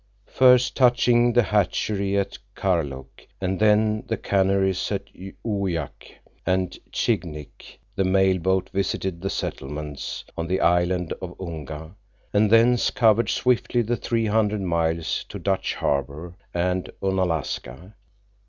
First touching the hatchery at Karluk and then the canneries at Uyak and Chignik, the mail boat visited the settlements on the Island of Unga, and thence covered swiftly the three hundred miles to Dutch Harbor and Unalaska.